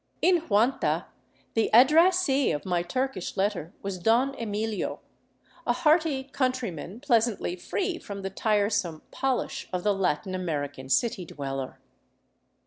In Huanta the addressee of my Turkish letter was Don Emilio, , a hearty countryman pleasantly free from the tiresome " polish " of the Latin American city dweller.